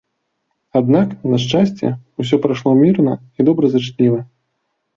Аднак, на шчасце, усё прайшло мірна і добразычліва.